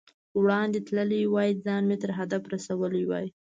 وړاندې تللی وای، ځان مې تر هدف رسولی وای.